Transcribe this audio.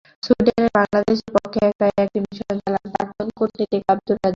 সুইডেনে বাংলাদেশের পক্ষে একাই একটি মিশন চালান প্রাক্তন কূটনীতিক আবদুর রাজ্জাক।